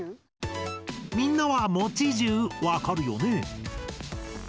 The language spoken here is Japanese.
みんなは「もちじゅう」わかるよね？